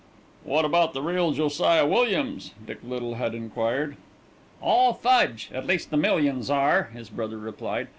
"What about the real Josiah Williams?" Dick Little had enquired. "All fudge, at least the millions are," his brother replied.